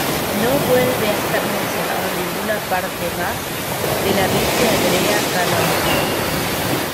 No vuelve a ser mencionado en ninguna parte más de la Biblia hebrea canónica.